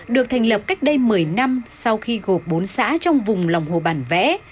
được thành lập cách đây một mươi năm sau khi gộp bốn xã trong vùng lòng hồ bản vẽ